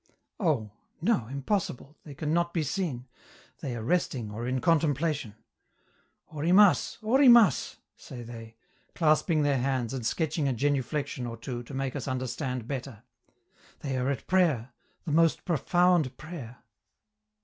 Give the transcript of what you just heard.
Oh! no, impossible, they can not be seen; they are resting or are in contemplation. "Orimas! Orimas!" say they, clasping their hands and sketching a genuflection or two to make us understand better. ("They are at prayer! the most profound prayer!")